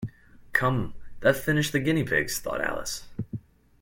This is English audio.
‘Come, that finished the guinea-pigs!’ thought Alice.